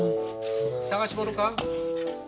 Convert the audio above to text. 探し物か？